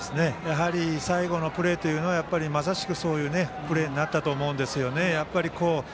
最後のプレーは、まさしくそういうプレーになったと思うんですよね。